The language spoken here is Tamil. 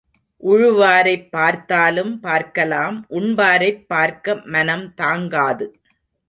உழுவாரைப் பார்த்தாலும் பார்க்கலாம் உண்பாரைப் பார்க்க மனம் தாங்காது.